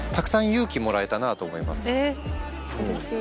うれしい。